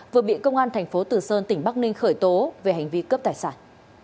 vừa bị công an thành phố tử sơn tỉnh bắc ninh khởi tố về hành vi cướp tài sản